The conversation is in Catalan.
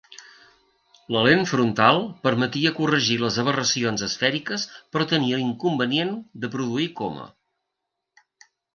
La lent frontal permetia corregir les aberracions esfèriques però tenia l'inconvenient de produir coma.